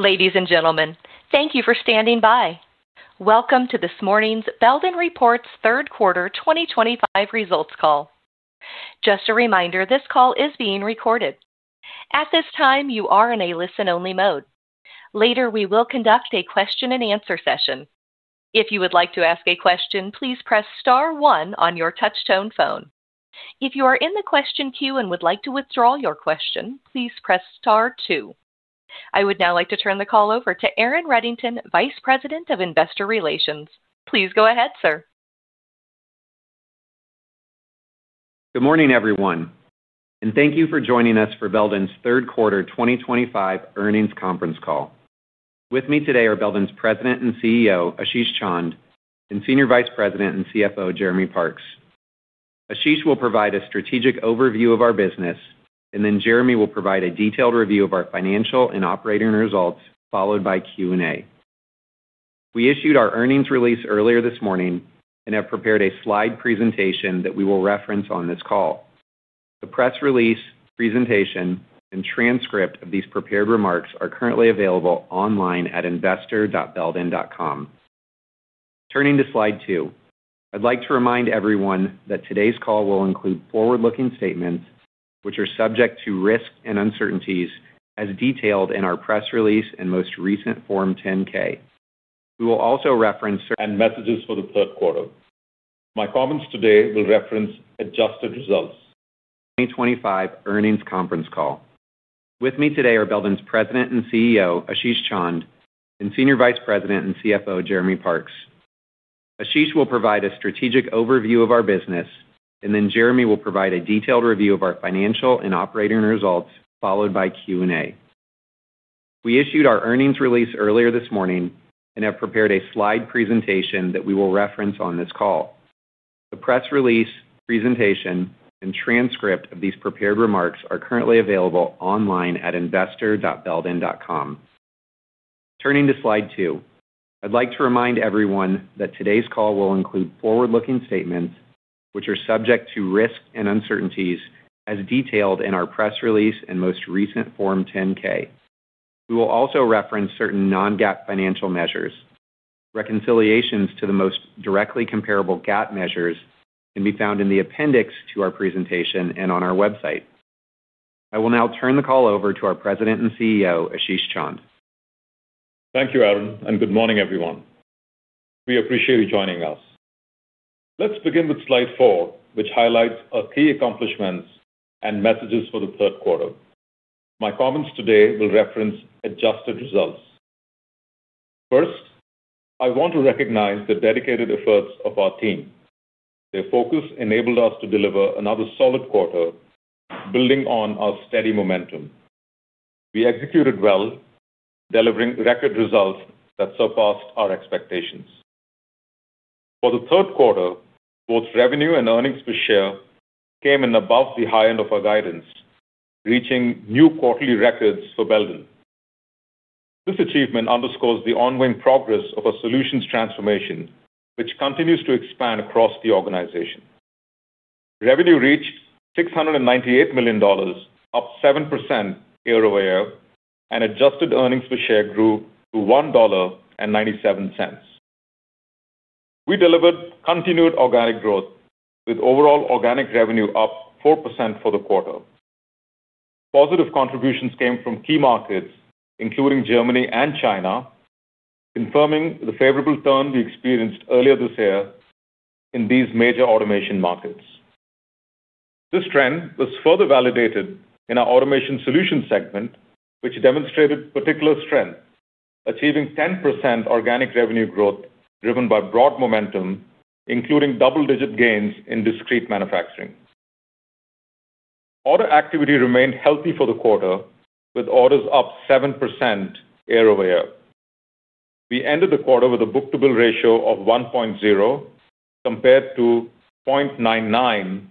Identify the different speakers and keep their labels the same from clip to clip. Speaker 1: Ladies and gentlemen, thank you for standing by. Welcome to this morning's Belden reports third quarter 2025 results call. Just a reminder, this call is being recorded at this time. You are in a listen-only mode. Later, we will conduct a question and answer session. If you would like to ask a question, please press star one on your touchtone phone. If you are in the question queue and would like to withdraw your question, please press star two. I would now like to turn the call over to Aaron Reddington, Vice President of Investor Relations. Please go ahead, sir.
Speaker 2: Good morning everyone and thank you for joining us for Belden's third quarter 2025 earnings conference call. With me today are Belden's President and CEO Ashish Chand and Senior Vice President and CFO Jeremy Parks. Ashish will provide a strategic overview of our business, and then Jeremy will provide a detailed review of our financial and operating results followed by Q&A. We issued our earnings release earlier this morning and have prepared a slide presentation that we will reference on this call. The press release, presentation, and transcript of these prepared remarks are currently available online at investor.belden.com. Turning to Slide 2, I'd like to remind everyone that today's call will include forward-looking statements, which are subject to risks and uncertainties as detailed in our press release and most recent Form 10-K. We will also reference and messages for the third quarter. 2025 earnings conference call. With me today are Belden's President and CEO Ashish Chand and Senior Vice President and CFO Jeremy Parks. Ashish will provide a strategic overview of our business, and then Jeremy will provide a detailed review of our financial and operating results followed by Q and A. We issued our earnings release earlier this morning and have prepared a slide presentation that we will reference on this call. The press release, presentation, and transcript of these prepared remarks are currently available online at investor.belden.com. Turning to slide two, I'd like to remind everyone that today's call will include forward-looking statements, which are subject to risks and uncertainties as detailed in our press release and most recent Form 10-K. We will also reference certain non-GAAP financial measures. Reconciliations to the most directly comparable GAAP measures can be found in the appendix to our presentation and on our website. I will now turn the call over to our President and CEO Ashish Chand.
Speaker 3: Thank you, Aaron, and good morning, everyone. We appreciate you joining us. Let's begin with Slide 4, which highlights our key accomplishments and messages for the third quarter. My comments today will reference adjusted results. First, I want to recognize the dedicated efforts of our team. Their focus enabled us to deliver another solid quarter. Building on our steady momentum, we executed well, delivering record results that surpassed our expectations for the third quarter. Both revenue and earnings per share came in above the high end of our guidance, reaching new quarterly records for Belden. This achievement underscores the ongoing progress of a solutions transformation, which continues to expand across the organization. Revenue reached $698 million, up 7% year-over-year, and adjusted earnings per share grew to $1.97. We delivered continued organic growth, with overall organic revenue up 4% for the quarter. Positive contributions came from key markets, including Germany and China, confirming the favorable turn we experienced earlier this year in these major automation markets. This trend was further validated in our Automation Solutions segment, which demonstrated particular strength, achieving 10% organic revenue growth driven by broad momentum, including double-digit gains in discrete manufacturing. Order activity remained healthy for the quarter, with orders up 7% year-over-year. We ended the quarter with a book-to-bill ratio of 1.0, compared to 0.99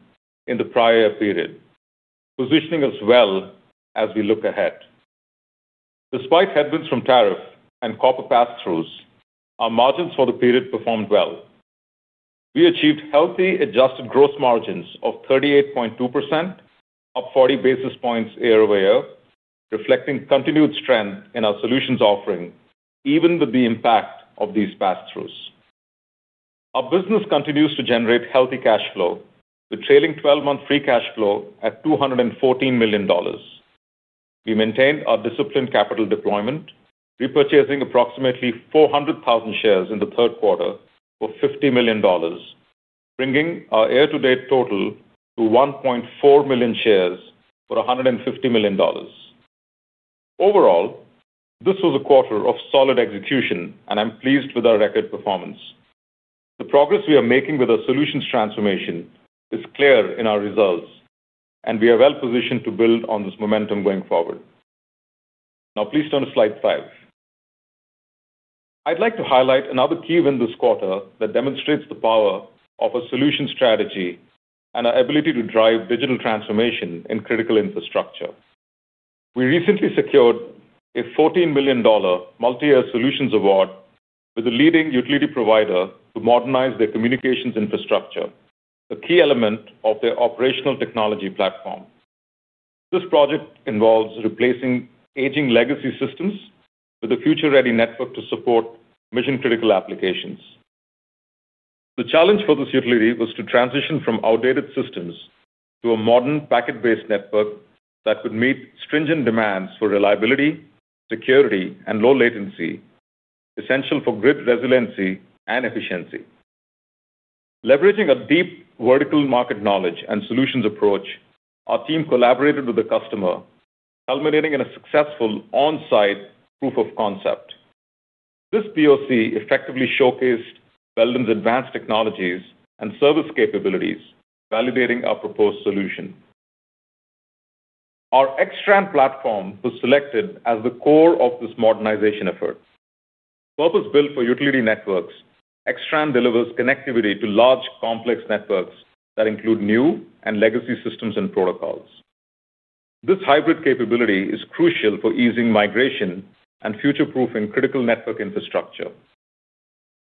Speaker 3: in the prior year period, positioning us well as we look ahead. Despite headwinds from tariff and copper pass-throughs, our margins for the period performed well. We achieved healthy adjusted gross margins of 38.2%, up 40 basis points year-over-year, reflecting continued strength in our solutions offering. Even with the impact of these pass-throughs, our business continues to generate healthy cash flow. With trailing 12-month free cash flow at $214 million, we maintained our disciplined capital deployment, repurchasing approximately 400,000 shares in the third quarter for $50 million, bringing our year-to-date total to 1.4 million shares for $150 million. Overall, this was a quarter of solid execution, and I'm pleased with our record performance. The progress we are making with our solutions transformation is clear in our results, and we are well positioned to build on this momentum going forward. Now, please turn to Slide 5. I'd like to highlight another key win this quarter that demonstrates the power of a solution strategy and our ability to drive digital transformation in critical infrastructure. We recently secured a $14 million multi-year solutions award with a leading utility provider to modernize their communications infrastructure, a key element of their operational technology platform. This project involves replacing aging legacy systems with a future-ready network to support mission-critical applications. The challenge for this utility was to transition from outdated systems to a modern packet-based network that could meet stringent demands for reliability, security, and low latency essential for grid resiliency and efficiency. Leveraging deep vertical market knowledge and a solutions approach, our team collaborated with the customer, culminating in a successful on-site proof of concept. This POC effectively showcased Belden's advanced technologies and service capabilities, validating our proposed solution. Our XTran platform was selected as the core of this modernization effort. Purpose-built for utility networks, XTran delivers connectivity to large, complex networks that include new and legacy systems and protocols. This hybrid capability is crucial for easing migration and future-proofing critical network infrastructure.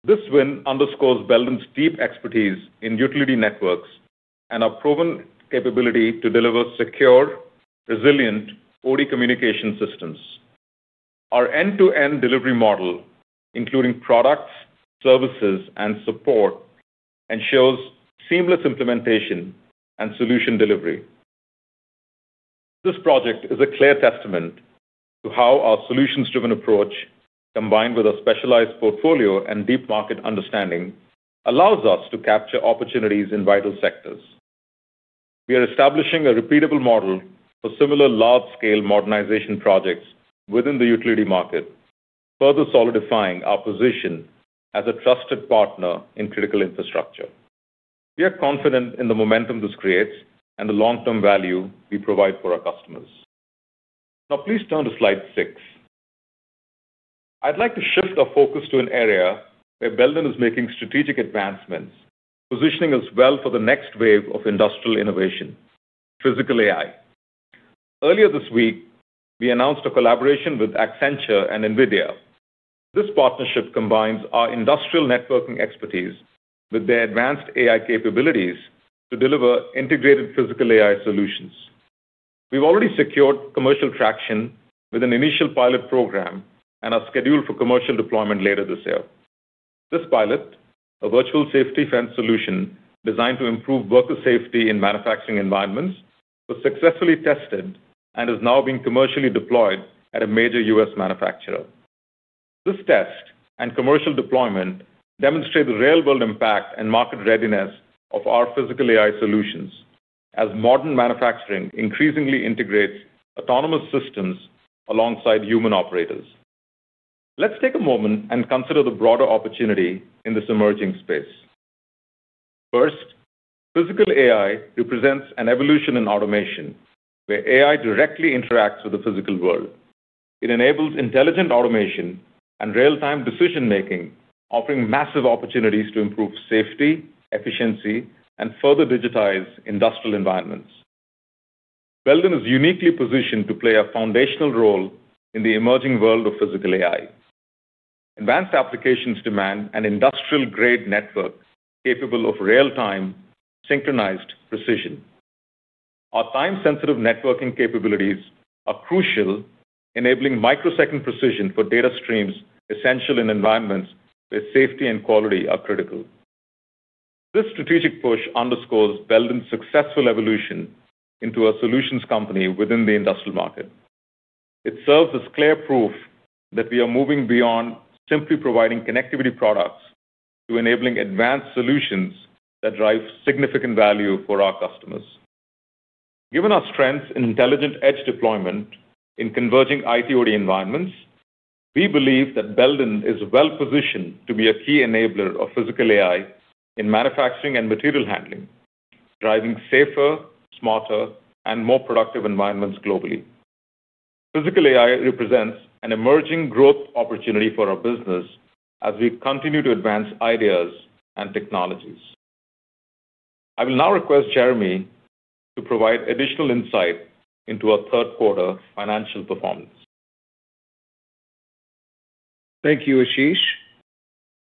Speaker 3: This win underscores Belden's deep expertise in utility networks and our proven capability to deliver secure, resilient OT communication systems. Our end-to-end delivery model, including products, services, and support, ensures seamless implementation and solution delivery. This project is a clear testament to how our solutions-driven approach, combined with a specialized portfolio and deep market understanding, allows us to capture opportunities in vital sectors. We are establishing a repeatable model for similar large-scale modernization projects within the utility market, further solidifying our position as a trusted partner in critical infrastructure. We are confident in the momentum this creates and the long-term value we provide for our customers. Now please turn to Slide 6. I'd like to shift our focus to an area where Belden is making strategic advancements, positioning us well for the next wave of industrial innovation. Physical AI. Earlier this week we announced a collaboration with Accenture and NVIDIA. This partnership combines our industrial networking expertise with their advanced AI capabilities to deliver integrated Physical AI solutions. We've already secured commercial traction with an initial pilot program and are scheduled for commercial deployment later this year. This pilot, a virtual safety fence solution designed to improve worker safety in manufacturing environments, was successfully tested and is now being commercially deployed at a major U.S. manufacturer. This test and commercial deployment demonstrate the real world impact and market readiness of our Physical AI solutions. As modern manufacturing increasingly integrates autonomous systems alongside human operators, let's take a moment and consider the broader opportunity in this emerging space. First, Physical AI represents an evolution in automation where AI directly interacts with the physical world. It enables intelligent automation and real time decision making, offering massive opportunities to improve safety, efficiency, and further digitize industrial environments. Belden is uniquely positioned to play a foundational role in the emerging world of Physical AI. Advanced applications demand an industrial grade network capable of real time synchronized precision. Our time sensitive networking capabilities are crucial, enabling microsecond precision for data streams essential in environments where safety and quality are critical. This strategic push underscores Belden's successful evolution into a solutions company within the industrial market. It serves as clear proof that we are moving beyond simply providing connectivity products to enabling advanced solutions that drive significant value for our customers. Given our strengths in intelligent edge deployment in converging IT/OT environments, we believe that Belden is well positioned to be a key enabler of Physical AI in manufacturing and material handling, driving safer, smarter, and more productive environments.lobally. Physical AI represents an emerging growth opportunity for our business as we continue to advance ideas and technologies. I will now request Jeremy to provide additional insight into our third quarter financial performance.
Speaker 4: Thank you, Ashish.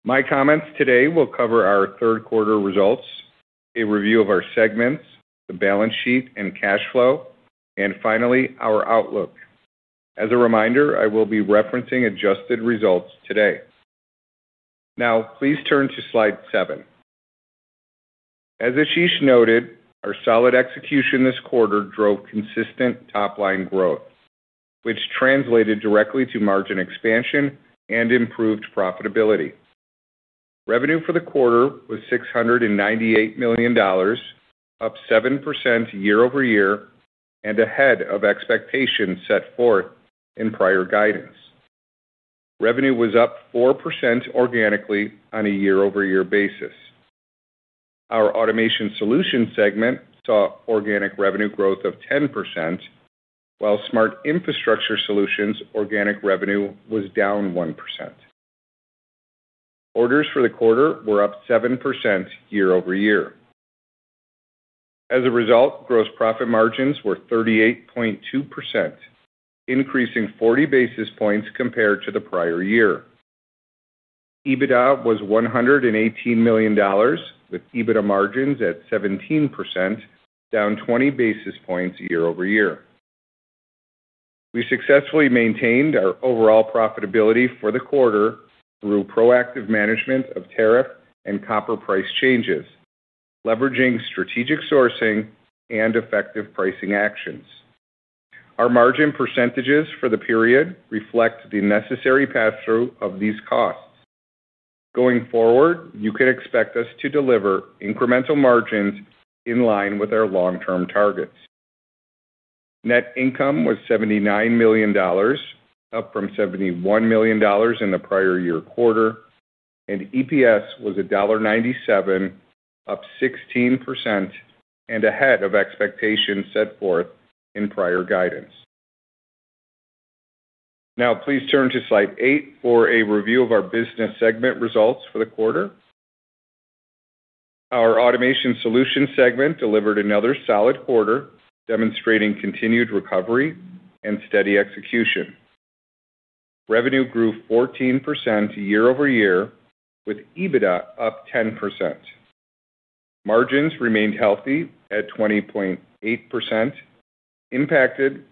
Speaker 4: My comments today will cover our third quarter results, a review of our segments, the balance sheet and cash flow, and finally our outlook. As a reminder, I will be referencing adjusted results today. Now please turn to Slide 7. As Ashish noted, our solid execution this quarter drove consistent top line growth, which translated directly to margin expansion and improved profitability. Revenue for the quarter was $698 million, up 7% year-over-year and ahead of expectations set forth in prior guidance. Revenue was up 4% organically on a year-over-year basis. Our Automation Solutions segment saw organic revenue growth of 10%, while Smart Infrastructure Solutions organic revenue was down 1%. Orders for the quarter were up 7% year-over-year. As a result, gross profit margins were 38.2%, increasing 40 basis points compared to the prior year. EBITDA was $118 million with EBITDA margins at 17%, down 20 basis points year-over-year. We successfully maintained our overall profitability for the quarter through proactive management of tariff and copper price changes, leveraging strategic sourcing and effective pricing actions. Our margin percentages for the period reflect the necessary pass through of these costs. Going forward, you can expect us to deliver incremental margins in line with our long term targets. Net income was $79 million, up from $71 million in the prior year quarter, and EPS was $1.97, up 16% and ahead of expectations set forth in prior guidance. Now please turn to Slide 8 for a review of our business segment results for the quarter. Our Automation Solutions segment delivered another solid quarter, demonstrating continued recovery and steady execution. Revenue grew 14% year-over-year with EBITDA up 10%. Margins remained healthy at 20.8%, impacted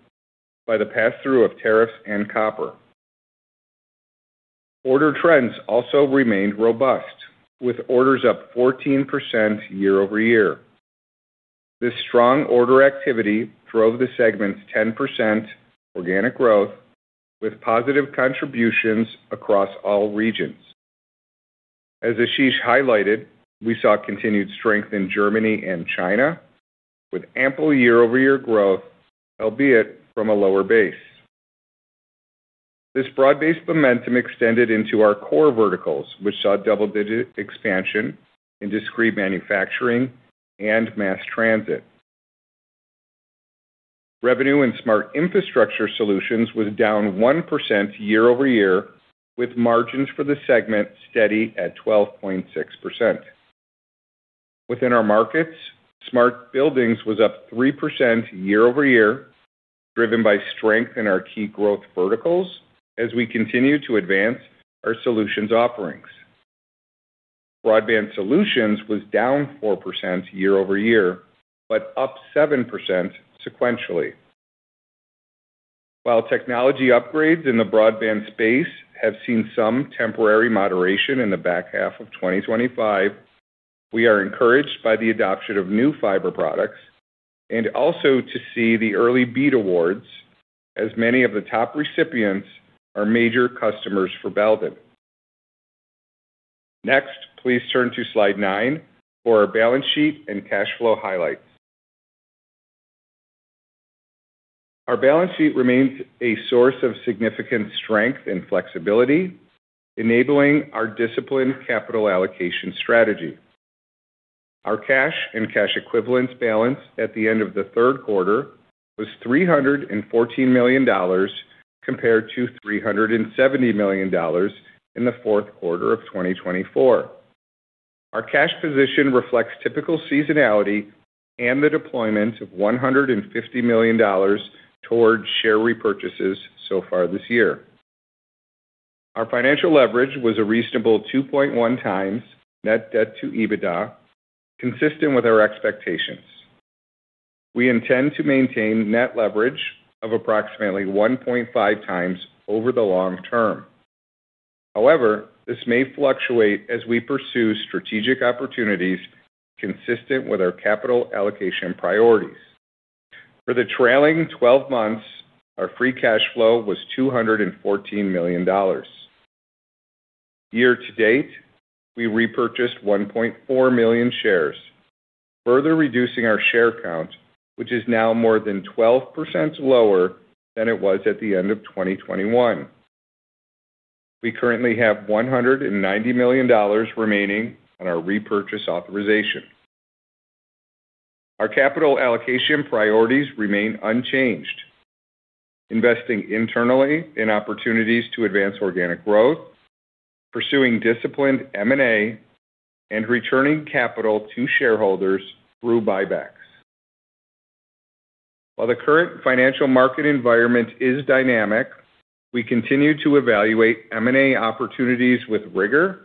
Speaker 4: by the pass through of tariffs and copper. Order trends also remained robust with orders up 14% year-over-year. This strong order activity drove the segment's 10% organic growth with positive contributions across all regions. As Ashish highlighted, we saw continued strength in Germany and China with ample year over year growth, albeit from a lower base. This broad based momentum extended into our core verticals, which saw double digit expansion in discrete manufacturing and mass transit. Revenue in Smart Infrastructure Solutions was down 1% year-over-year, with margins for the segment steady at 12.6%. Within our markets, smart buildings was up 3% year-over-year, driven by strength in our key growth verticals as we continue to advance our Solutions offerings. Broadband solutions was down 4% year-over-year, but up 7% sequentially. While technology upgrades in the broadband space have seen some temporary moderation in the back half of 2025, we are encouraged by the adoption of new fiber products and also to see the early BEAD awards as many of the top recipients are major customers for Belden. Next, please turn to Slide 9 for our balance sheet and cash flow highlights. Our balance sheet remains a source of significant strength and flexibility, enabling our disciplined capital allocation strategy. Our cash and cash equivalents balance at the end of the third quarter was $314 million compared to $370 million in the fourth quarter of 2024. Our cash position reflects typical seasonality and the deployment of $150 million towards share repurchases. So far this year, our financial leverage was a reasonable 2.1x net debt to EBITDA. Consistent with our expectations, we intend to maintain net leverage of approximately 1.5x over the long term. However, this may fluctuate as we pursue strategic opportunities consistent with our capital allocation priorities. For the trailing 12 months, our free cash flow was $214 million. Year-to-date, we repurchased 1.4 million shares, further reducing our share count which is now more than 12% lower than it was at the end of 2021. We currently have $190 million remaining on our repurchase authorization. Our capital allocation priorities remain unchanged, investing internally in opportunities to advance organic growth, pursuing disciplined M&A and returning capital to shareholders through buybacks. While the current financial market environment is dynamic, we continue to evaluate M&A opportunities with rigor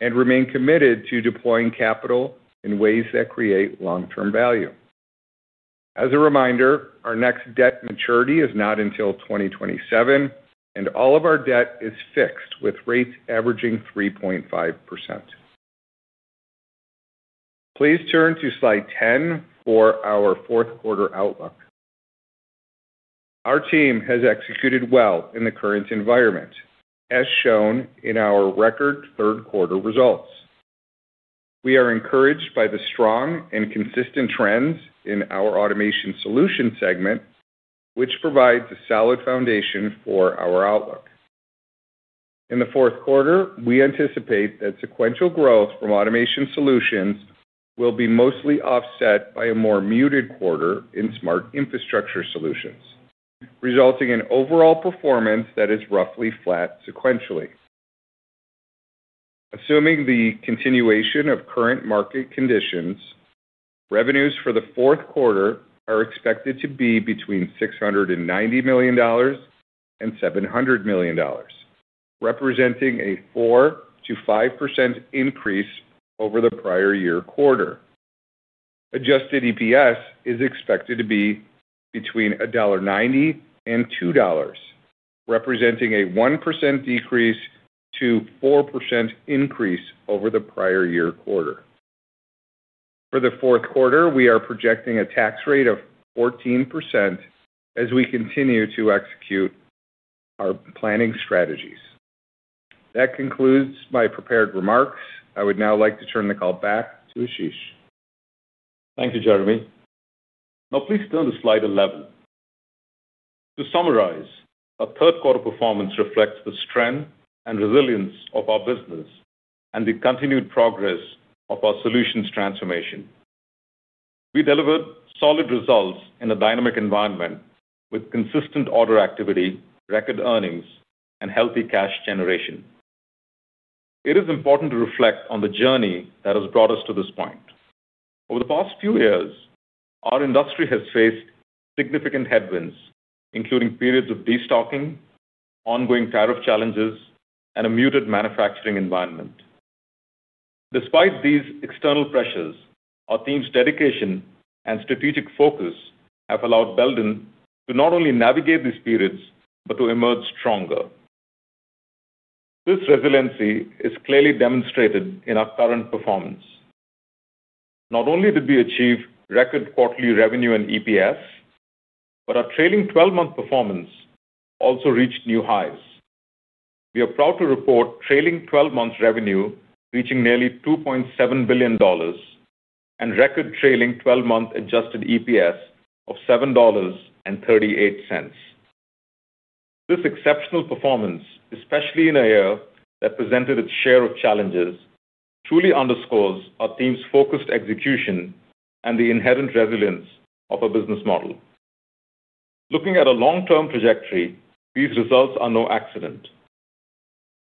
Speaker 4: and remain committed to deploying capital in ways that create long-term value. As a reminder, our next debt maturity is not until 2027 and all of our debt is fixed with rates averaging 3.5%. Please turn to Slide 10 for our fourth quarter outlook. Our team has executed well in the current environment as shown in our record third quarter results. We are encouraged by the strong and consistent trends in our Automation Solutions segment which provides a solid foundation for our outlook. In the fourth quarter, we anticipate that sequential growth from Automation Solutions will be mostly offset by a more muted quarter in Smart Infrastructure Solutions, resulting in overall performance that is roughly flat sequentially, assuming the continuation of current market conditions. Revenues for the fourth quarter are expected to be between $690 million and $700 million, representing a 4%-5% increase over the prior year. Quarter adjusted EPS is expected to be between $1.90 and $2.00, representing a 1% decrease to 4% increase over the prior year. For the fourth quarter, we are.rojecting a tax rate of 14% as we continue to execute our planning strategies. That concludes my prepared remarks. I would now like to turn the call back to Ashish.
Speaker 3: Thank you, Jeremy. Now please turn to Slide 11. To summarize, our third quarter performance reflects the strength and resilience of our business and the continued progress of our solutions transformation. We delivered solid results in a dynamic environment with consistent order activity, record earnings, and healthy cash generation. It is important to reflect on the journey that has brought us to this point. Over the past few years, our industry has faced significant headwinds, including periods of destocking, ongoing tariff challenges, and a muted manufacturing environment. Despite these external pressures, our team's dedication and strategic focus have allowed Belden to not only navigate these periods, but to emerge stronger. This resiliency is clearly demonstrated in our current performance. Not only did we achieve record quarterly revenue and EPS, but our trailing twelve month performance also reached new highs. We are proud to report trailing twelve months revenue reaching nearly $2.7 billion and record trailing twelve month adjusted EPS of $7.38. This exceptional performance, especially in a year that presented its share of challenges, truly underscores our team's focused execution and the inherent resilience of a business model looking at a long term trajectory. These results are no accident.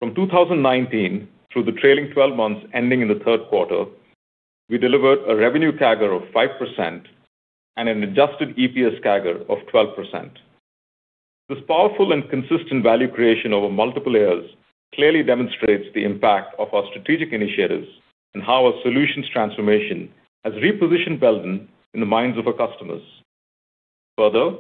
Speaker 3: From 2019 through the trailing twelve months ending in the third quarter, we delivered a revenue CAGR of 5% and an adjusted EPS CAGR of 12%. This powerful and consistent value creation over multiple years clearly demonstrates the impact of our strategic initiatives and how our solutions transformation has repositioned Belden in the minds of our customers. Further,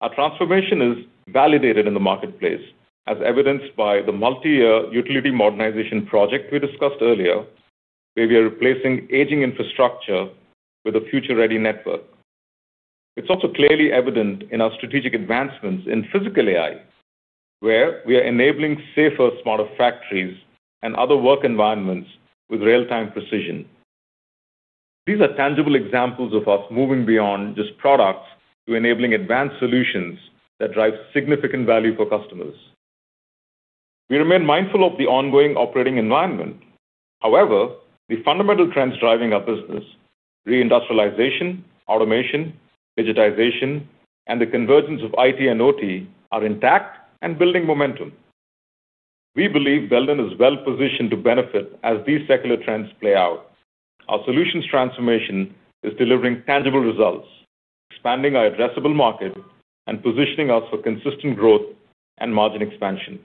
Speaker 3: our transformation is validated in the marketplace as evidenced by the multi-year utility modernization project we discussed earlier, where we are replacing aging infrastructure with a future-ready network. It is also clearly evident in our strategic advancements in Physical AI, where we are enabling safer, smarter factories and other work environments with real-time precision. These are tangible examples of us moving beyond just products to enabling advanced solutions that drive significant value for customers. We remain mindful of the ongoing operating environment. However, the fundamental trends driving our business—reindustrialization, automation, business digitization, and the convergence of IT and OT—are intact and building momentum. We believe Belden is well-positioned to benefit as these secular trends play out. Our solutions transformation is delivering tangible results, expanding our addressable market, and positioning us for consistent growth and margin expansion.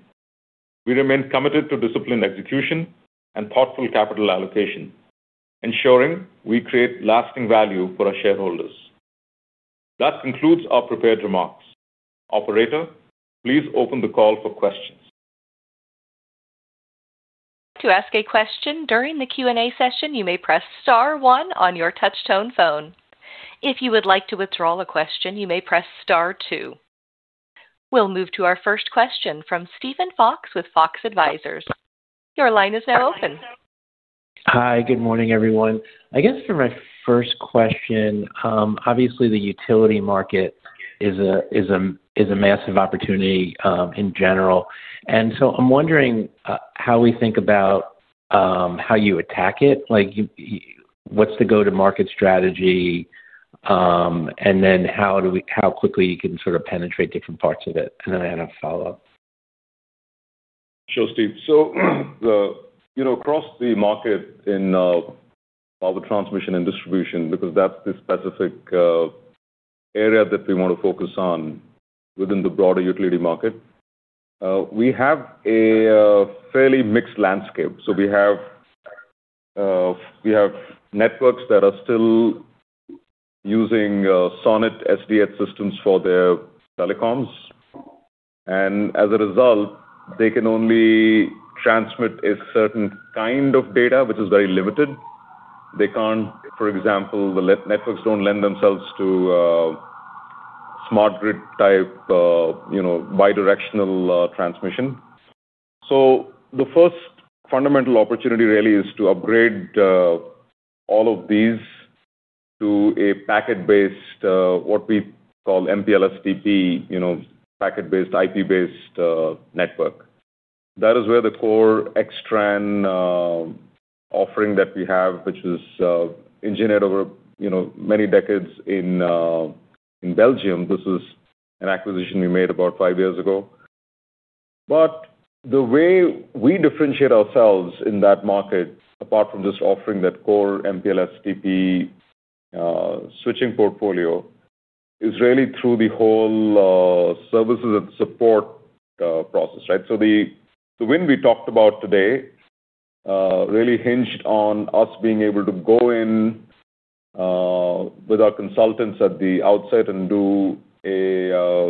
Speaker 3: We remain committed to disciplined execution and thoughtful capital allocation, ensuring we create lasting value for our shareholders. That concludes our prepared remarks. Operator, please open the call for questions.
Speaker 1: To ask a question during the Q&A session, you may press star one on your touchtone phone. If you would like to withdraw a question, you may press star two. We'll move to our first question from Steven Fox with Fox Advisors. Your line is now open.
Speaker 5: Hi, good morning everyone. I guess for my first question, obviously the utility market is a massive opportunity in general. I'm wondering how we think about how you attack it. What's the go to market strategy and how quickly you can sort of penetrate different parts of it. I had a follow up.
Speaker 3: Sure, Steve. Across the market in power transmission and distribution, because that's the specific area that we want to focus on within the broader utility market, we have a fairly mixed landscape. We have networks that are still using Sonet SDN systems for their telecoms, and as a result, they can only transmit a certain kind of data, which is very limited. For example, the networks don't lend themselves to smart grid type, you know, bi-directional transmission. The first fundamental opportunity really is to upgrade all of these to a packet-based, what we call MPLS TP, packet-based IP-based network. That is where the core XTran offering that we have, which is engineered over many decades in Belgium, comes in. This is an acquisition we made about five years ago. The way we differentiate ourselves in that market, apart from just offering that core MPLS-TP switching portfolio, is really through the whole services and support. The win we talked about today really hinged on us being able to go in with our consultants at the outset and do a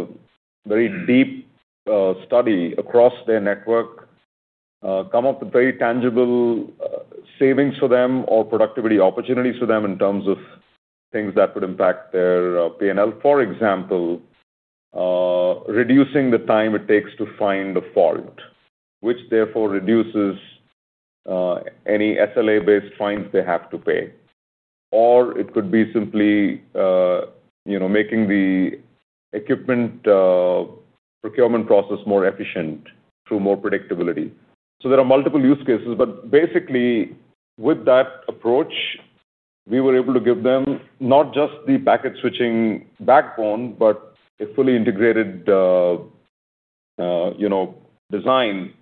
Speaker 3: very deep study across their network, come up with very tangible savings for them or productivity opportunities for them in terms of things that would impact their P&L. For example, reducing the time it takes to find a fault, which therefore reduces any SLA-based fines they have to pay, or it could be simply making the equipment procurement process more efficient through more predictability. There are multiple use cases, but basically with that approach we were able to give them not just the packet switching backbone, but a fully integrated design.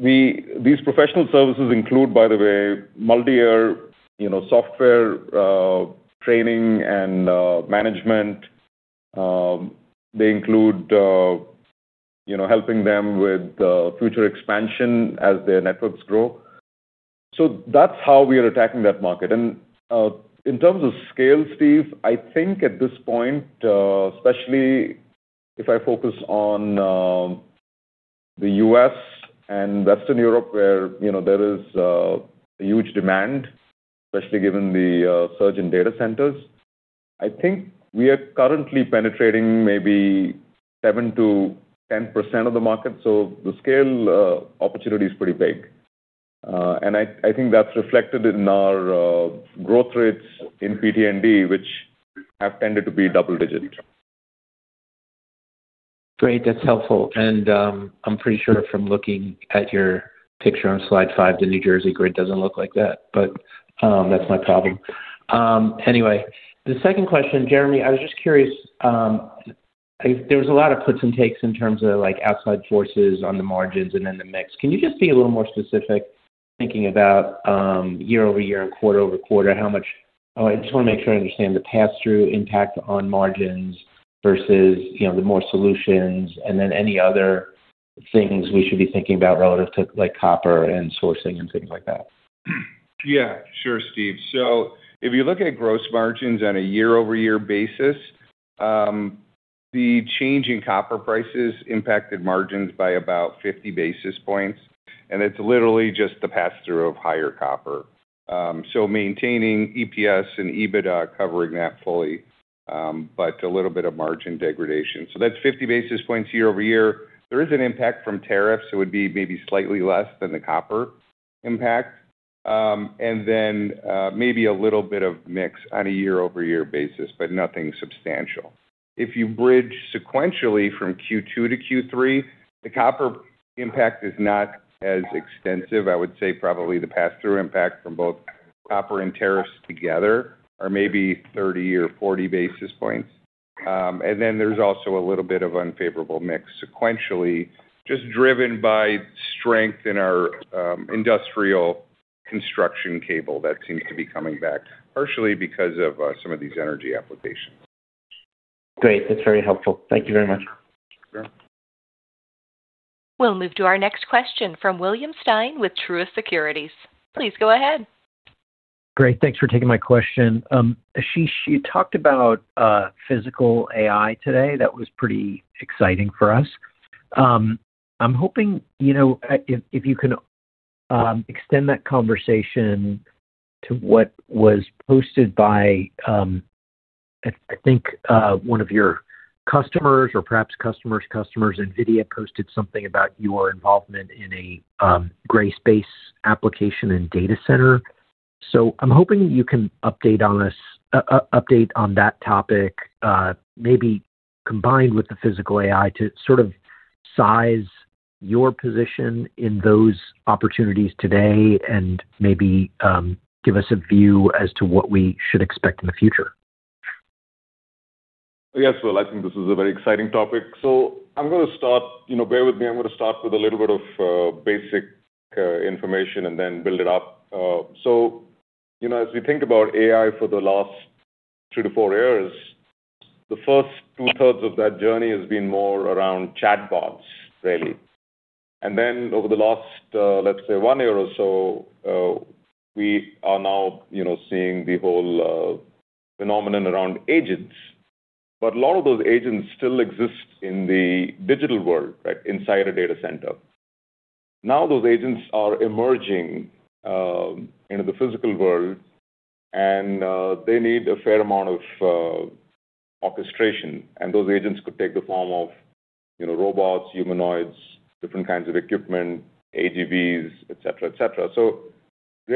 Speaker 3: These professional services include, by the way, multi-year software training and management. They include helping them with future expansion as their networks grow. That is how we are attacking that market. In terms of scale, Steve, I think at this point, especially if I focus on the U.S. and Western Europe where there is a huge demand, especially given the surge in data centers, I think we are currently penetrating maybe 7%-10% of the market. The scale opportunity is pretty big, and I think that's reflected in our growth rates in PTND, which have tended to be double digit.
Speaker 5: Great, that's helpful. I'm pretty sure from looking at your picture on slide five, the New Jersey grid doesn't look like that. That's my problem. Anyway, the second question, Jeremy, I was just curious. There was a lot of puts and takes in terms of like outside forces on the margins and then the mix. Can you just be a little more specific?hinking about year over year and quarter over quarter, how much? I just want to make sure I understand the pass through impact on margins versus the more solutions, and then any other things we should be thinking about relative to like copper and sourcing and things like that?
Speaker 4: Yeah, sure, Steve. If you look at gross margins on a year over year basis, the change in copper prices impacted margins by about 50 basis points, and it's literally just the pass through of higher copper. Maintaining EPS and EBITDA covering that fully, but a little bit of margin degradation. That's 50 basis points year-over-year. There is an impact from tariffs. It would be maybe slightly less than the copper impact, and then maybe a little bit of mix on a year over year basis, but nothing substantial. If you bridge sequentially from Q2 to Q3, the copper impact is not as extensive. I would say probably the pass through impact from both copper and tariffs together are maybe 30 or 40 basis points. There's also a little bit of unfavorable mix sequentially, just driven by strength in our industrial construction cable that seems to be coming back partially because of some of these energy applications.
Speaker 5: Great, that's very helpful. Thank you very much.
Speaker 1: We'll move to our next question from William Stein with Truist Securities. Please go ahead.
Speaker 6: Great. Thanks for taking my question. Ashish, you talked about Physical AI today. That was pretty exciting for us. I'm hoping, you know, if you can extend that conversation to what was posted by, I think, one of your customers or perhaps customers' customers. NVIDIA posted something about your involvement in a gray space application and data center. I'm hoping you can update us on that topic, maybe combined with the physical AI, to sort of size your position in those opportunities today and maybe give us a view as to what we should expect in the future.
Speaker 3: Yes, I think this is a very exciting topic. I'm going to start with a little bit of basic information and then build it up. As we think about AI for the last three to four years, the first two thirds of that journey has been more around chatbots really. Over the last, let's say, one year or so, we are now seeing the whole phenomenon around agents. A lot of those agents still exist in the digital world inside a data center. Now those agents are emerging into the physical world and they need a fair amount of orchestration. Those agents could take the form of robots, humanoids, different kinds of equipment, AGVs, etc. The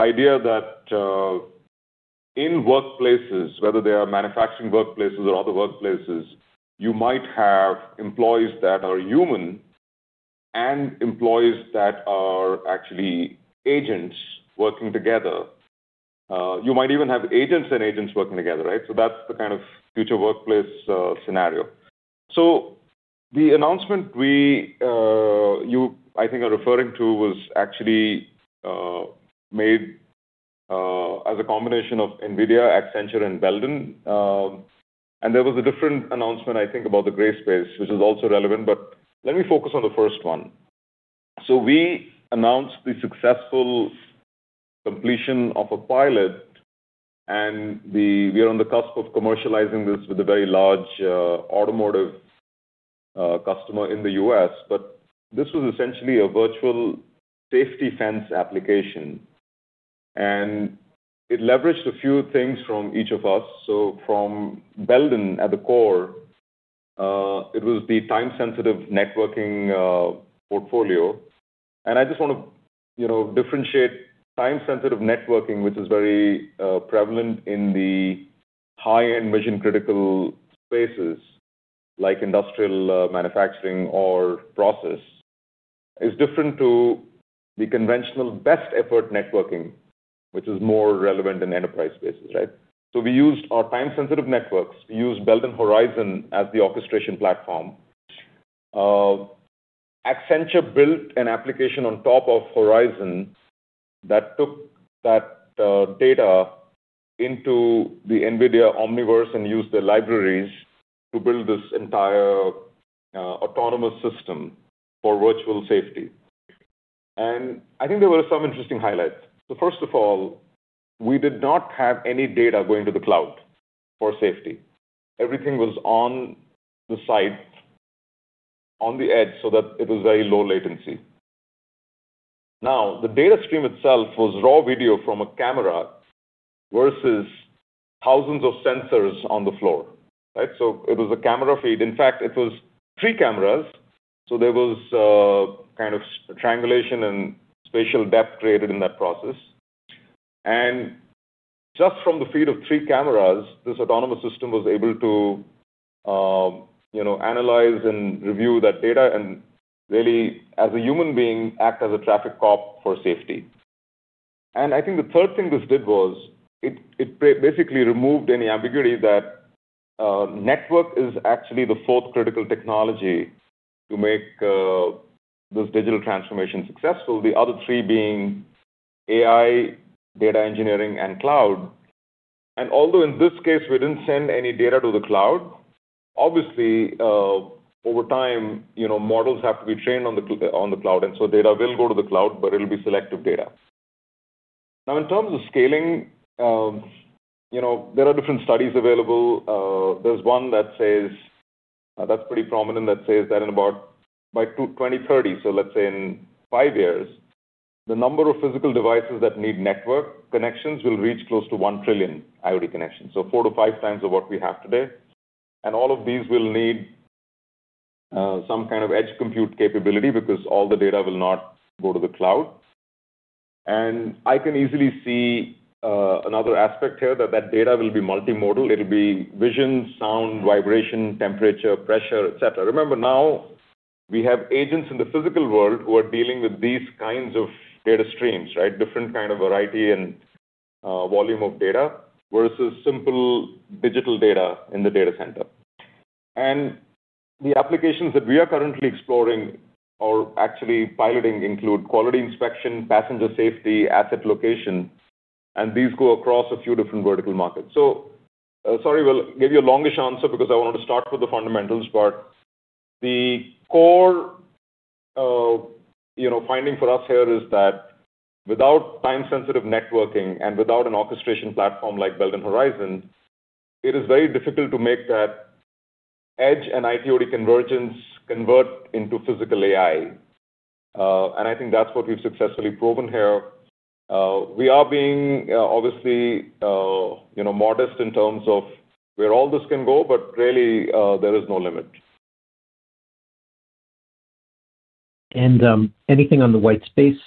Speaker 3: idea is that in workplaces, whether they are manufacturing workplaces or other workplaces, you might have employees that are human and employees that are actually agents working together. You might even have agents and agents working together. That's the kind of future workplace scenario. The announcement you are referring to was actually made as a combination of NVIDIA, Accenture, and Belden. There was a different announcement about the gray space, which is also relevant. Let me focus on the first one. We announced the successful completion of a pilot and we are on the cusp of commercializing this with a very large automotive customer in the U.S. This was essentially a virtual safety fence application and it leveraged a few things from each of us. From Belden at the core, it was the time sensitive networking portfolio. I just want to differentiate time sensitive networking, which is very prevalent in the high end vision critical spaces like industrial manufacturing or process, is different to the conventional best effort networking, which is more relevant in enterprise spaces. Right.e used our time sensitive networks, we used Belden Horizon as the orchestration platform. Accenture built an application on top of Horizon that took that data into the NVIDIA Omniverse and used the libraries to build this entire autonomous system for virtual safety. I think there were some interesting highlights. First of all, we did not have any data going to the cloud for safety. Everything was on the site, on the edge, so that it was very low latency. The data stream itself was raw video from a camera versus thousands of sensors on the floor. It was a camera feed. In fact, it was three cameras, so there was kind of triangulation and spatial depth created in that process. Just from the feed of three cameras, this autonomous system was able to analyze and review that data and really, as a human being, act as a traffic cop for safety. I think the third thing this did was it basically removed any ambiguity that network is actually the fourth critical technology to make this digital transformation successful, the other three being AI, data engineering, and cloud. Although in this case we didn't send any data to the cloud, obviously over time models have to be trained on the cloud, so data will go to the cloud, but it will be selective data. In terms of scaling, there are different studies available. There's one that's pretty prominent, that says that by 2030, so let's say in five years, the number of physical devices that need network connections will reach close to 1 trillion IoT connections, 4x-5x what we have today. All of these will need some kind of edge compute capability because all the data will not go to the cloud. I can easily see another aspect here that data will be multimodal. It'll be vision, sound, vibration, temperature, pressure, etc. Remember now we have agents in the physical world who are dealing with these kinds of data streams. Right? Different kind of variety and volume of data versus simple digital data in the data center. The applications that we are currently exploring or actually piloting include quality, inspection, passenger safety, asset location, and these go across a few different vertical markets. I wanted to start with the fundamentals. The core, you know, finding for us here is that without time sensitive networking and without an orchestration platform like Belden Horizon, it is very difficult to make that edge and IT/OT convergence convert into Physical AI. I think that's what we've successfully proven here. We are being obviously modest in terms of where all this can go, but really there is no limit.
Speaker 6: there anything on the white space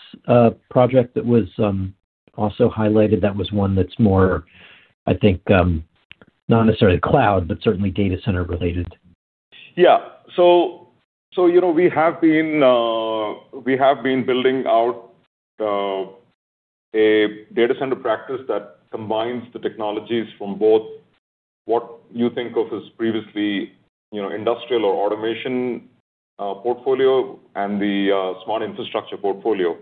Speaker 6: project that was also highlighted? That was one that's more, I think, not necessarily cloud, but certainly data center related. Yeah.
Speaker 3: We have been building out a data center practice that combines the technologies from both what you think of as previously, you know, industrial or automation portfolio and the Smart Infrastructure portfolio.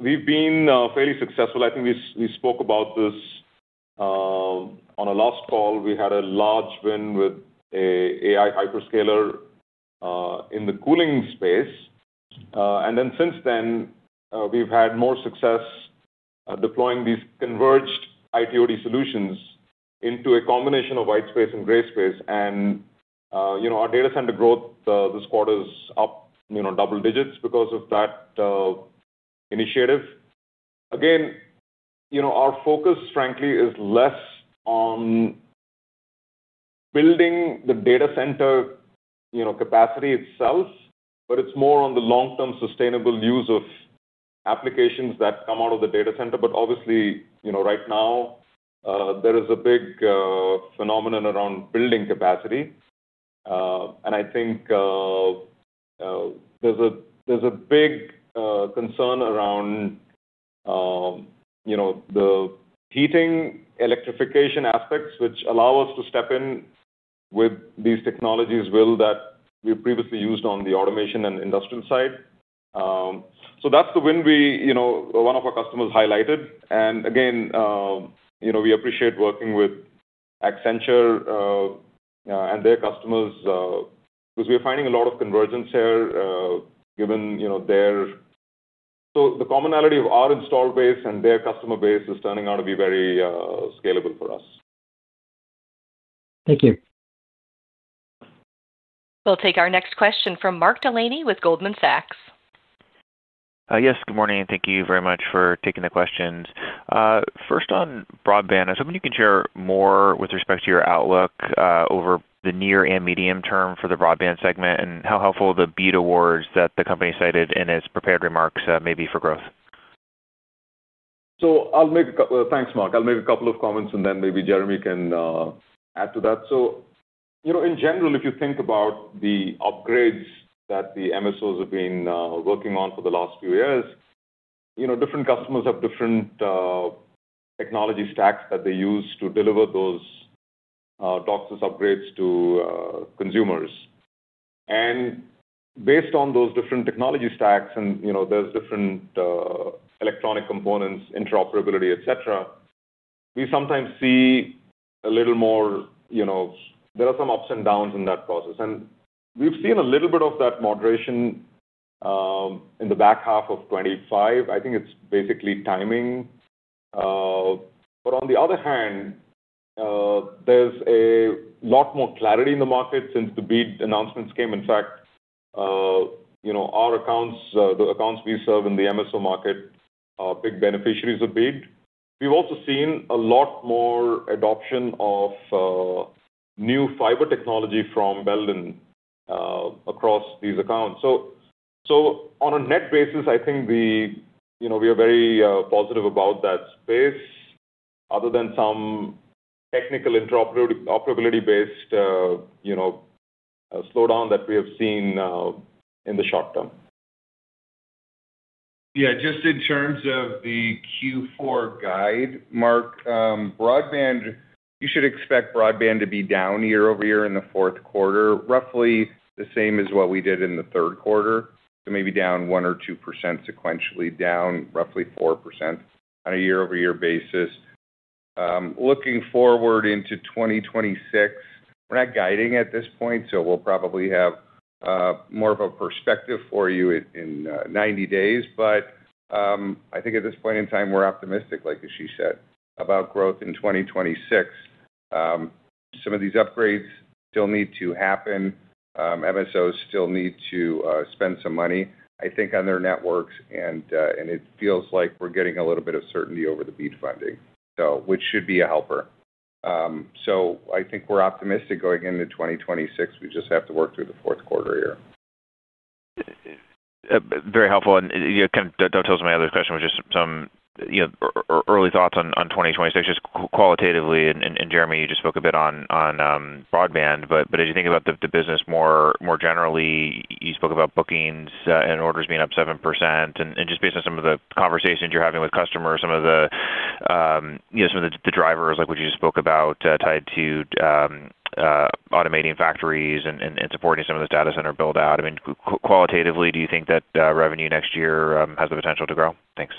Speaker 3: We've been fairly successful. I think we spoke about this on our last call. We had a large win with an AI hyperscaler in the cooling space. Since then we've had more success deploying these converged IT/OT solutions into a combination of white space and gray space. Our data center growth this quarter is up double digits because of that initiative. Our focus, frankly, is less on building the data center capacity itself, but it's more on the long-term sustainable use of applications that come out of the data center. Obviously, right now there is a big phenomenon around building capacity, and I think there's a big concern around the heating electrification aspects, which allow us to step in with these technologies that we previously used on the automation and industrial side. That's the win one of our customers highlighted. We appreciate working with Accenture and their customers because we are finding a lot of convergence here, given the commonality of our installed base and their customer base is turning out to be very scalable for us.
Speaker 6: Thank you.
Speaker 1: We'll take our next question from Mark Delaney with Goldman Sachs.
Speaker 7: Yes, good morning. Thank you very much for taking the questions. First on broadband, I was hoping you. Can you share more with respect to your. Outlook over the near and medium term for the broadband segment and how helpful the BEAD awards that the company cited in its prepared remarks may be for growth.
Speaker 3: Thanks, Mark. I'll make a couple of comments and then maybe Jeremy can add to that. In general, if you think about the upgrades that the MSOs have been working on for the last few years, different customers have different technology stacks that they use to deliver those DOCSIS upgrades to consumers. Based on those different technology stacks, and you know, there's different electronic components, interoperability, etc., we sometimes see a little more, you know, there are some ups and downs in that process, and we've seen a little bit of that moderation in the back half of 2025. I think it's basically timing. On the other hand, there's a lot more clarity in the market since the BEAD announcements came. In fact, the accounts we serve in the MSO market are big beneficiaries of BEAD. We've also seen a lot more adoption of new fiber technology from Belden across these accounts. On a net basis, I think we are very positive about that space other than some technical interoperability-based slowdown that we have seen in the short term.
Speaker 4: Yeah, just in terms of the Q4 guide, Mark, broadband, you should expect broadband to be down year over year in the fourth quarter, roughly the same as what we did in the third quarter. Maybe down 1% or 2% sequentially, down roughly 4% on a year-over-year basis looking forward into 2026. We're not guiding at this point, so we'll probably have more of a perspective for you in 90 days. I think at this point in time we're optimistic, like Ashish said, about growth in 2026. Some of these upgrades still need to happen. MSOs still need to spend some money, I think, on their networks and it feels like we're getting a little bit of certainty over the BEAD funding, which should be a helper. I think we're optimistic going into 2026. We just have to work through the fourth quarter here.
Speaker 7: Very helpful and dovetails. My other question was just some early thoughts on 2026, just qualitatively. Jeremy, you just spoke a bit on broadband, but as you think about the business more generally, you spoke about bookings and orders being up 7%, and just based on some of the conversations you're having with customers, some of the drivers, like what you spoke about, tied to automating factories and supporting some of this data center build out. Qualitatively, do you think that revenue next year has the potential to grow? Thanks.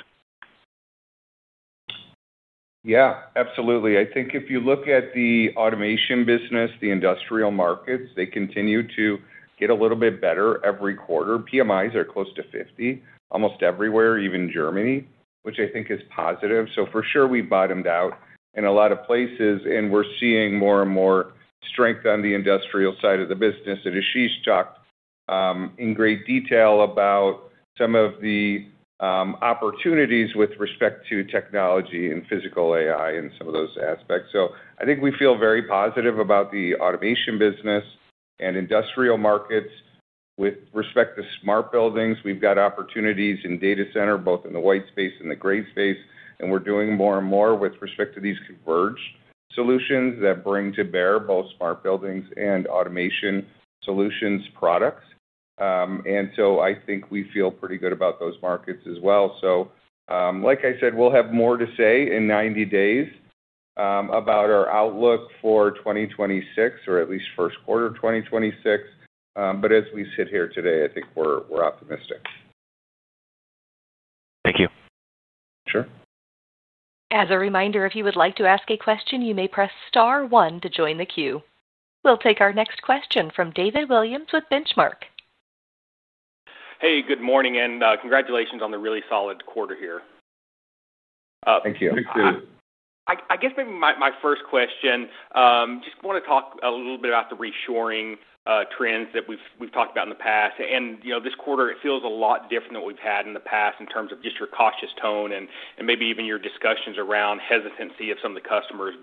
Speaker 4: Yeah, absolutely. I think if you look at the automation business, the industrial markets, they continue to get a little bit better every quarter. PMIs are close to 50 almost everywhere, even Germany, which I think is positive. For sure we bottomed out in a lot of places and we're seeing more and more strength on the industrial side of the business. Ashish talked in great detail about some of the opportunities with respect to technology and Physical AI and some of those aspects. I think we feel very positive about the automation business, industrial markets with respect to smart buildings. We've got opportunities in data center both in the white space and the gray space, and we're doing more and more with respect to these converged solutions that bring to bear both smart buildings and Automation Solutions products. I think we feel pretty good about those markets as well. We'll have more to say in 90 days about our outlook for 2026 or at least first quarter 2026, but as we sit here today, I think we're optimistic.
Speaker 7: Thank you.
Speaker 4: Sure.
Speaker 1: As a reminder, if you would like to ask a question, you may press star one to join the queue. We'll take our next question from David Williams with Benchmark.
Speaker 8: Hey, good morning and congratulations on the really solid quarter here.
Speaker 3: Thank you.
Speaker 4: Thank you.
Speaker 8: Thank you. I guess maybe my first question just. Want to talk a little bit about the reshoring trends that we've talked about in the past, and this quarter it feels a lot different than what we've seen had in the past in terms of just your cautious tone and maybe even your discussions around hesitancy of some of the customers.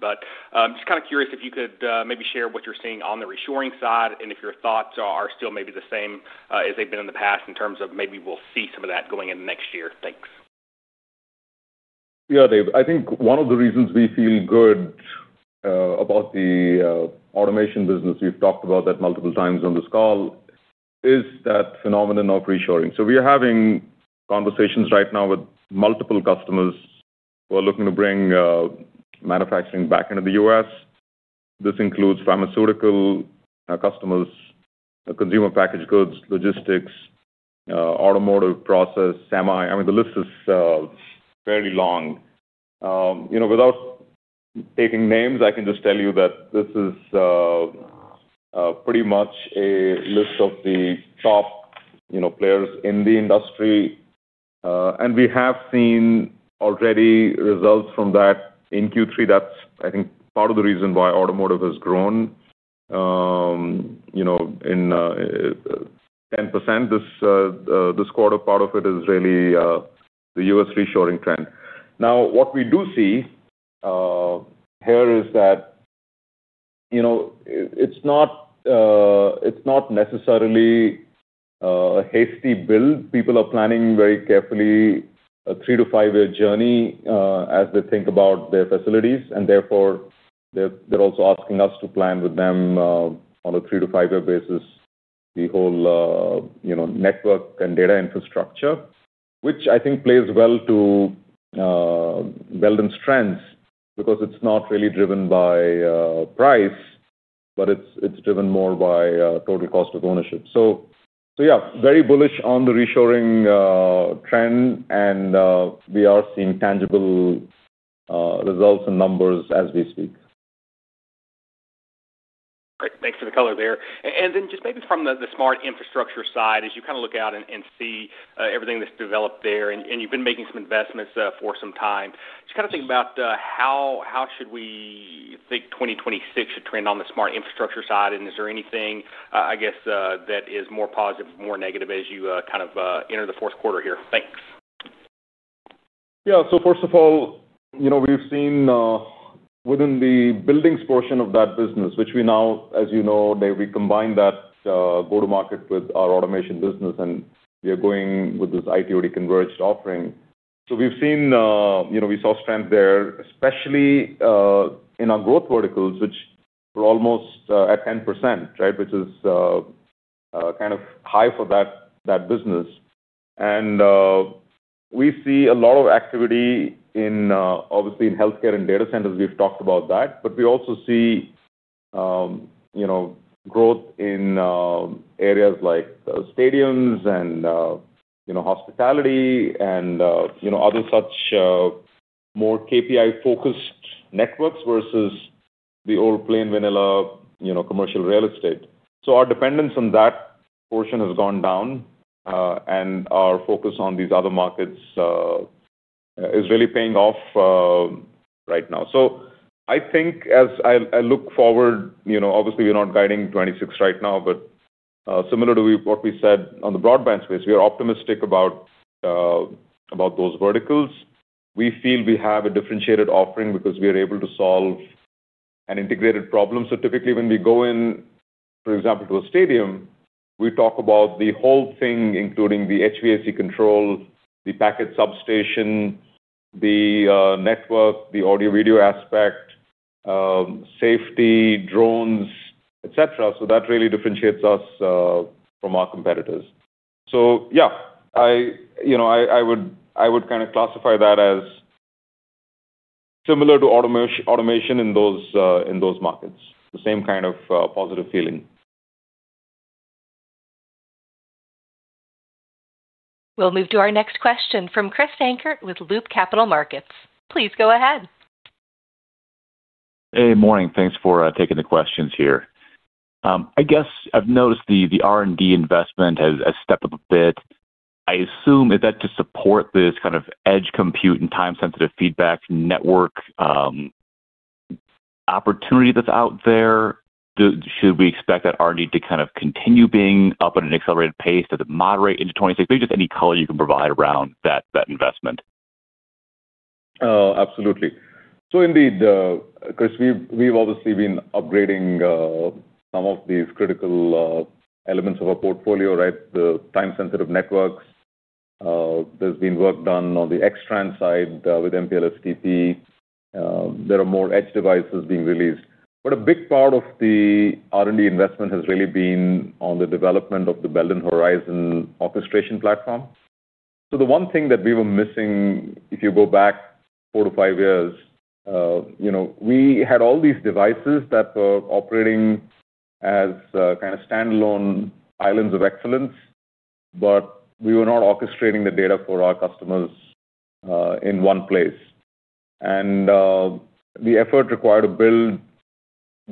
Speaker 8: I'm curious if you could maybe share what you're seeing on the reshoring side and if your thoughts are still maybe the same as they've been in the past in terms of maybe we'll see some of that going into next year. Thanks.
Speaker 3: Yeah, Dave, I think one of the reasons we feel good about the automation business, we've talked about that multiple times on this call, is that phenomenon of reshoring. We are having conversations right now with multiple customers who are looking to bring manufacturing back into the U.S. This includes pharmaceutical customers, consumer packaged goods, logistics, automotive, process, semi. The list is fairly long. Without taking names, I can just tell you that this is pretty much a list of the top players in the industry. We have seen already results from that in Q3. That's, I think, part of the reason why automotive has grown, you know, in 10% this quarter. Part of it is really the U.S. reshoring trend. What we do see here is that it's not necessarily a hasty build. People are planning very carefully a three to five year journey as they think about their facilities, and therefore they're also asking us to plan with them on a three to five year basis. The whole network and data infrastructure, which I think plays well to Belden's trends, because it's not really driven by price, but it's driven more by total cost of ownership. Very bullish on the reshoring trend, and we are seeing tangible results and numbers as we speak.
Speaker 8: Great. Thanks for the color there. Maybe from the Smart Infrastructure Solutions. Infrastructure side, as you kind of look out and see everything that's developed there and you've been making some investments for some time, just kind of think about how should we think 2026 should trend on the Smart Infrastructure Solutions side, and is there anything, I guess, that is more positive, more negative as you kind of enter the fourth quarter here? Thanks.
Speaker 3: Yeah. First of all, we've seen within the buildings portion of that business, which we now, as you know, they recombine that go to market with our automation business, and we are going with this IT/OT converged offering. We've seen strength there, especially in our growth verticals, which were almost at 10%, which is kind of high for that business. We see a lot of activity in healthcare and data centers, we've talked about that. We also see growth in areas like stadiums and hospitality and other such more KPI-focused networks versus the old plain vanilla commercial real estate. Our dependence on that portion has gone down, and our focus on these other markets is really paying off right now. I think as I look forward, obviously we're not guiding 2026 right now, but similar to what we said on the broadband space, we are optimistic about those verticals. We feel we have a differentiated offering because we are able to solve an integrated problem. Typically, when we go in, for example, to a stadium, we talk about the whole thing, including the HVAC control, the packet substation, the network, the audio, video aspect, safety, drones, etc. That really differentiates us from our competitors. I would kind of classify that as similar to automation in those markets, the same kind of positive feeling.
Speaker 1: We'll move to our next question from Chris Dankert with Loop Capital Markets. Please go ahead.
Speaker 9: Hey morning. Thanks for taking the questions here. I guess I've noticed the R&D investment has stepped up a bit, I assume is that to support this. Kind of edge compute and time-sensitive. Feedback network. Opportunity that's out there should. We expect that R&D to kind of continue being up at an accelerated pace. Does it moderate into 2016, just any color you can provide around that investment?
Speaker 3: Absolutely. Indeed, Chris, we've obviously been upgrading some of these critical elements of a portfolio, the time sensitive networks. There's been work done on the XTran side with MPLS-TP. There are more edge devices being released. A big part of the R&D investment has really been on the development of the Belden Horizon orchestration platform. The one thing that we were missing, if you go back four to five years, we had all these devices that were operating as kind of standalone islands of excellence, but we were not orchestrating the data for our customers in one place. The effort required to build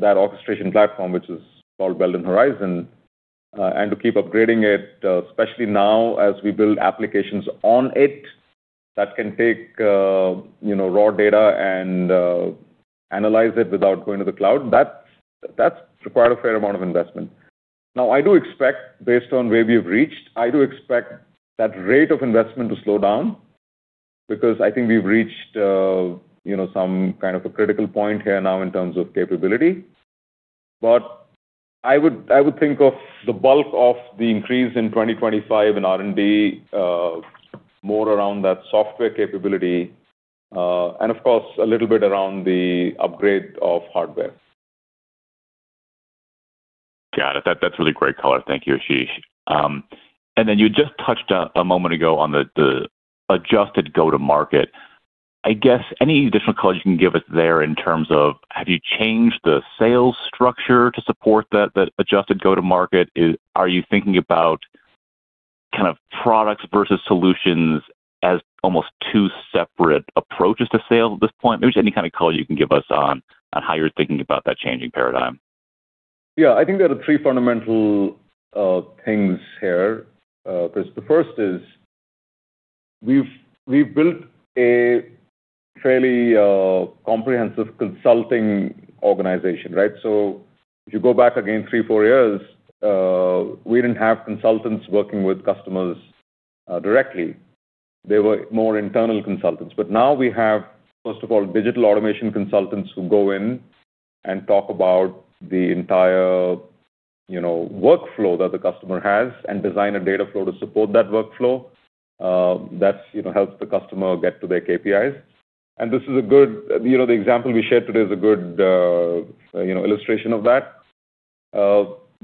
Speaker 3: that orchestration platform, which is called Belden Horizon, and to keep upgrading it, especially now as we build applications on it that can take raw data and analyze it without going to the cloud, that's required a fair amount of investment. I do expect, based on where we have reached, I do expect that rate of investment to slow down because I think we've reached some kind of a critical point here now in terms of capability. I would think of the bulk of the increase in 2025 in R&D more around that software capability and of course a little bit around the upgrade of hardware. Got it. That's really great color.
Speaker 9: Thank you, Ashish. You just touched a moment ago on the adjusted go to market. I guess any additional color you can.In terms of have you changed the sales structure to support the adjusted go to market? Are you thinking about kind of products versus solutions as almost two separate approaches to sales at this point? Maybe any kind of color you can give us on how you're thinking about that changing paradigm?
Speaker 3: Yeah, I think there are three fundamental things here. The first is we've built a fairly comprehensive consulting organization, right? If you go back again three, four years, we didn't have consultants working with customers directly, they were more internal consultants. Now we have, first of all, digital automation consultants who go in and talk about the entire workflow that the customer has and design a data flow to support that workflow that helps the customer get to their KPIs. The example we shared today is a good illustration of that.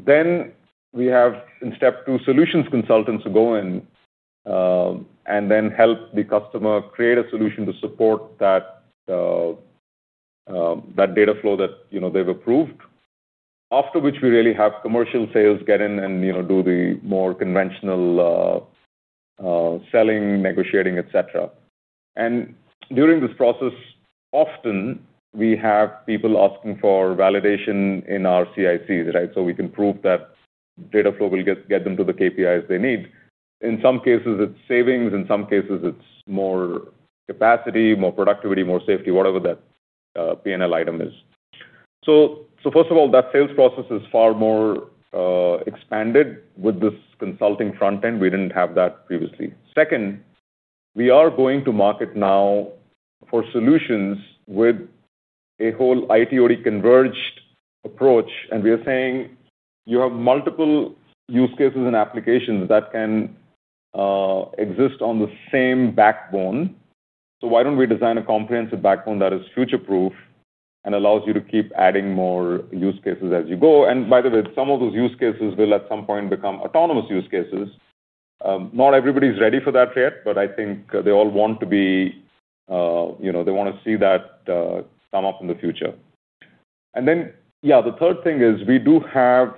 Speaker 3: Then we have, in step two, solutions consultants who go in and help the customer create a solution to support that data flow that they've approved, after which we really have commercial sales get in and do the more conventional selling, negotiating, etc. During this process, often we have people asking for validation in our CICs so we can prove that data flow will get them to the KPIs they need. In some cases it's savings, in some cases it's more capacity, more productivity, more safety, whatever that P&L item is. First of all, that sales process is far more expanded with this consulting front end. We didn't have that previously. Second, we are going to market now for solutions with a whole IT/OT converged approach. We are saying you have multiple use cases and applications that can exist on the same backbone. Why don't we design a comprehensive backbone that is future proof and allows you to keep adding more use cases as you go? By the way, some of those use cases will at some point become autonomous use cases. Not everybody's ready for that yet, but I think they all want to be, they want to see that come up in the future. Yeah, the third thing is we do have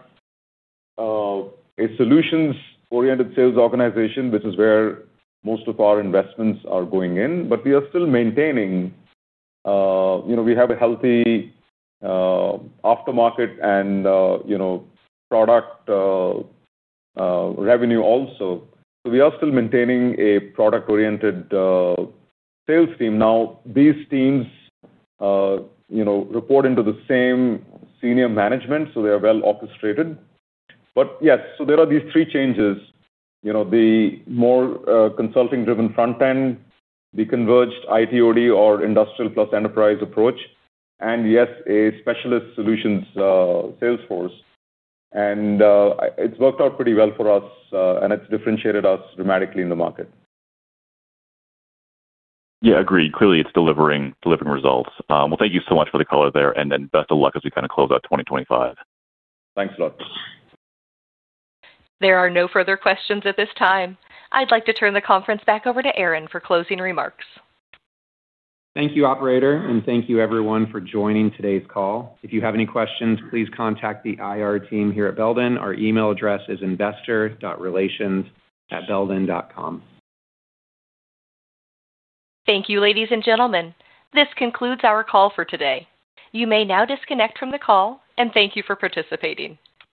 Speaker 3: solutions-oriented sales organization, which is where most of our investments are going in. We are still maintaining, you know, we have a healthy aftermarket and, you know, product revenue also. We are still maintaining a product-oriented sales team. Now these teams report into the same senior management, so they are well orchestrated. Yes, there are these three changes: the more consulting-driven front end, the converged IT/OT or industrial plus enterprise approach, and, yes, a specialist solutions sales force. It's worked out pretty well for us, and it's differentiated us dramatically in the market.
Speaker 9: Yeah, agreed. Clearly, it's delivering results. Thank you so much for the color there, and best of luck as we kind of close out 2025. Thanks a lot.
Speaker 1: There are no further questions at this time. I'd like to turn the conference back over to Aaron for closing remarks.
Speaker 2: Thank you, operator. Thank you, everyone, for joining today's call. If you have any questions, please contact the IR team here at Belden. Our email address is investor.relations@belden.com.
Speaker 1: Thank you, ladies and gentlemen. This concludes our call for today. You may now disconnect from the call. Thank you for participating.